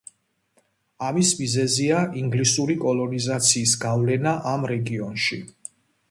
ამის მიზეზია ინგლისური კოლონიზაციის გავლენა ამ რეგიონში.